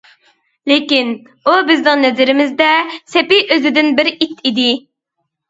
لېكىن، ئۇ بىزنىڭ نەزىرىمىزدە سېپى ئۆزىدىن بىر ئىت ئىدى.